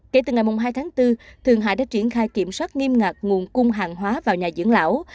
kể từ ngày hai tháng bốn thường hải đã triển khai kiểm soát nghiêm ngặt nguồn cung hàng hóa vào nhà dưỡng lão